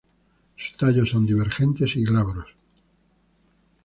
Sus tallos son divergentes y glabros.